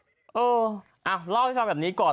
เออเอาเล่าให้ความแบบนี้ก่อน